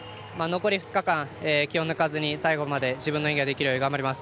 残り２日間、気を抜かずに自分の演技ができるように頑張ります。